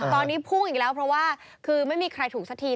ตอนนี้พุ่งอีกแล้วเพราะว่าคือไม่มีใครถูกสักที